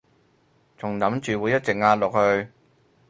仲諗住會一直壓落去